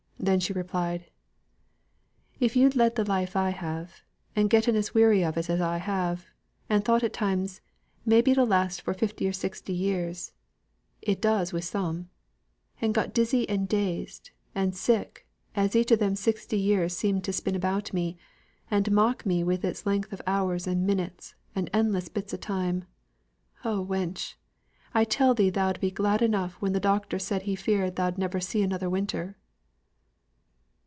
Then she replied, "If yo'd led the life I have, and getten as weary of it as I have, and thought at times, 'maybe it'll last for fifty or sixty years it does wi' some,' and got dizzy and dazed, and sick, as each of them sixty years seemed to spin about me, and mock me with its length of hours and minutes, and endless bits o' time oh, wench! I tell thee thou'd been glad enough when th' doctor said he feared thou'd never see another winter."